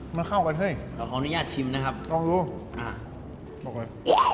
มันเข้ากันเท่าไหร่เราของอนิญาตชิมนะครับลองดูอ่าบอกเลย